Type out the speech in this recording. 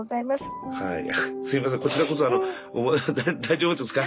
すいませんこちらこそ大丈夫ですか？